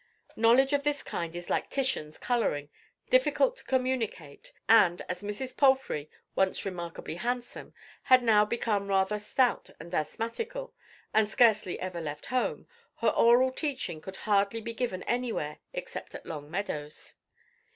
Knowledge of this kind is like Titian's colouring, difficult to communicate; and as Mrs. Palfrey, once remarkably handsome, had now become rather stout and asthmatical, and scarcely ever left home, her oral teaching could hardly be given anywhere except at Long Meadows.